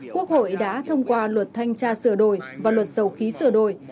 quốc hội đã thông qua luật thanh tra sửa đổi và luật dầu khí sửa đổi